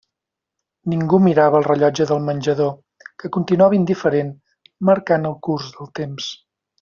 Ningú mirava el rellotge del menjador, que continuava indiferent marcant el curs del temps.